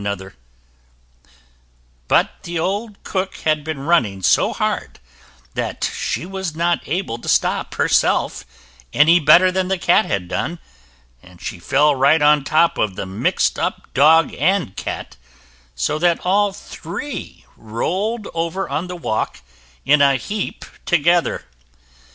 [Illustration: Cook takes a tumble] But the old cook had been running so hard that she was not able to stop herself any better than the cat had done, and she fell right on top of the mixed up dog and cat, so that all three rolled over on the walk in a heap together.